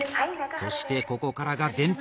そしてここからが伝達。